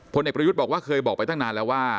พลเอกประยุทธ์บอกว่าเคยบอกไปตั้งนานแล้วว่า